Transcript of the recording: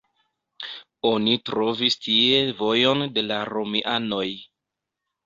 Oni trovis tie vojon de la romianoj.